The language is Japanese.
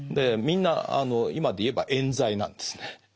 みんな今でいえばえん罪なんですね。